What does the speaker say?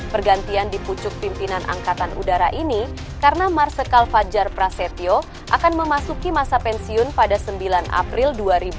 pergantian di pucuk pimpinan angkatan udara ini karena marsikal fajar prasetyo akan memasuki masa pensiun pada sembilan april dua ribu dua puluh